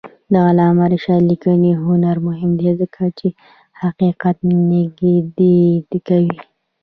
د علامه رشاد لیکنی هنر مهم دی ځکه چې حقیقت نږدې کوي.